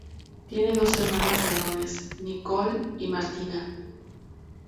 Tiene dos hermanas menores: Nicola y Martina.